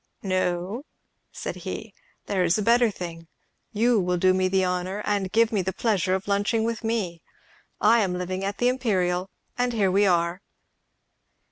"No," said he, "there is a better thing. You will do me the honour and give me the pleasure of lunching with me. I am living at the 'Imperial,' and here we are!"